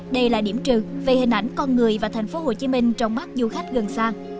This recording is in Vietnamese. đây là điểm trừ về hình ảnh con người và thành phố hồ chí minh trong mắt du khách gần xa